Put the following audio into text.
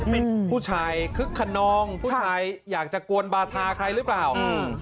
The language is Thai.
เป็นผู้ชายคึกขนองผู้ชายอยากจะกวนบาทาใครหรือเปล่าอืม